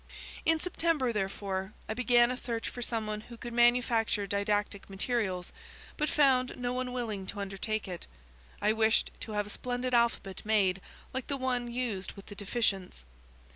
In September, therefore, I began a search for someone who could manufacture didactic materials, but found no one willing to undertake it. I wished to have a splendid alphabet made, like the one used with the deficients.